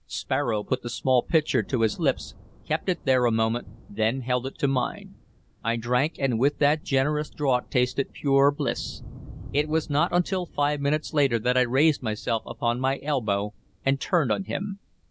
Sparrow put the small pitcher to his lips, kept it there a moment, then held it to mine. I drank, and with that generous draught tasted pure bliss. It was not until five minutes later that I raised myself upon my elbow and turned on him.